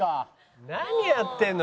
何やってんの？